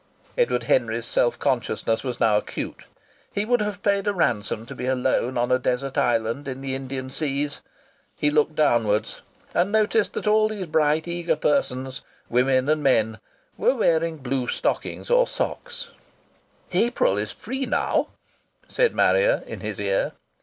Edward Henry's self consciousness was now acute. He would have paid a ransom to be alone on a desert island in the Indian seas. He looked downwards, and noticed that all these bright eager persons, women and men, were wearing blue stockings or socks. "Miss April is free now," said Marrier in his ear.